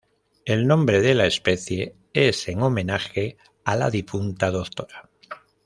El nombre de la especie es en homenaje a la difunta Dra.